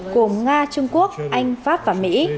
của nga trung quốc anh pháp và mỹ